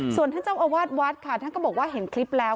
ส่วนท่านเจ้าอาวาสวัดค่ะท่านก็บอกว่าเห็นคลิปแล้ว